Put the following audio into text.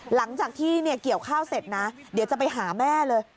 หลังจากที่เกี่ยวข้าวเสร็จนะเดี๋ยวจะไปหาแม่เลย